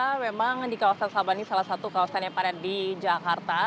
memang di kawasan sabang ini salah satu kawasan yang padat di jakarta